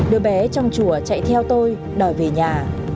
đứa bé trong chùa chạy theo tôi đòi về nhà